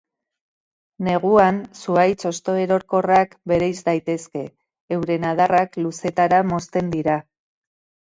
Neguan, zuhaitz hostoerorkorrak bereiz daitezke, euren adarrak luzetara mozten dira.